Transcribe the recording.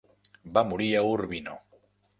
Va morir a Urbino.